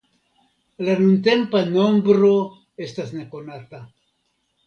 La nuntempa nombro estas nekonata.